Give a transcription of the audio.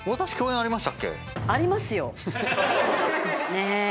ねえ！